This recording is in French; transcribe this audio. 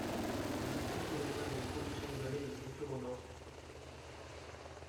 Le District régional de Cowichan Valley le ceinture au nord.